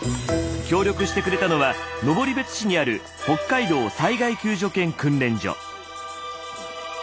協力してくれたのは登別市にある北海道災害救助犬訓練所。